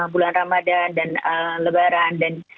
bulan ramadhan dan lebaran dan